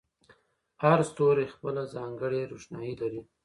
هر ستوری خپله ځانګړې روښنایي لري.